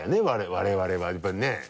我々はやっぱりね。